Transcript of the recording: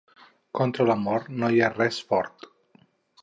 Contra la mort no hi ha res fort.